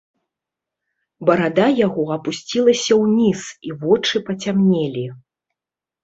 Барада яго апусцілася ўніз, і вочы пацямнелі.